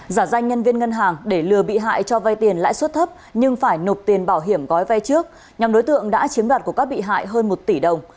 giả danh nhân viên ngân hàng để lừa bị hại cho vay tiền lãi suất thấp nhưng phải nộp tiền bảo hiểm gói vay trước nhóm đối tượng đã chiếm đoạt của các bị hại hơn một tỷ đồng